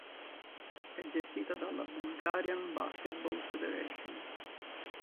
È gestita dalla "Bulgarian Basketball Federation".